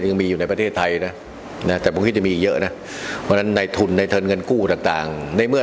เยอะนะเพราะฉะนั้นในทุนในเทิดเงินกู้ต่างในเมื่อ